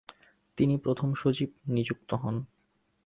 তিনি প্রথম সচিব নিযুক্ত হন।